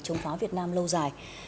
chống phá việt nam lâu dài